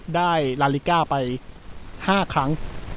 ได้ลาลิก้าไป๕ครั้ง